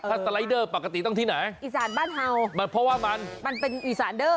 อ้าไม่ได้ก็ผ่านไป